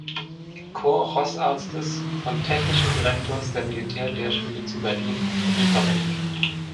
Corps-Roßarztes und technischen Direktors der Militär-Lehrschmiede zu Berlin, Friedrich Dominik.